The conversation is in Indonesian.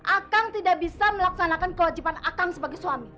akang tidak bisa melaksanakan kewajiban akang sebagai suami